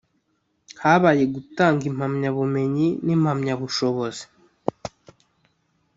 Habaye gutanga impamyabumenyi n’impamyabushozi